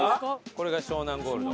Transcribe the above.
これが湘南ゴールド。